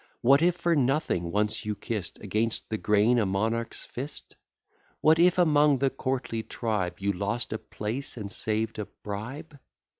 What if for nothing once you kiss'd, Against the grain, a monarch's fist? What if, among the courtly tribe, You lost a place and saved a bribe?